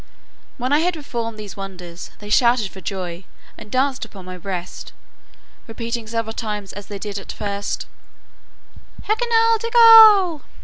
When I had performed these wonders, they shouted for joy, and danced upon my breast, repeating several times as they did at first, Hekinah degul.